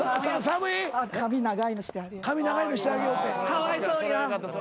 かわいそうにな。